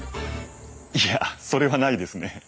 いやそれはないですね。